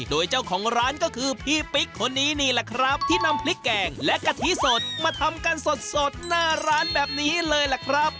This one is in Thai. โดยเจ้าของร้านก็คือพี่ปิ๊กคนนี้นี่แหละครับที่นำพริกแกงและกะทิสดมาทำกันสดหน้าร้านแบบนี้เลยล่ะครับ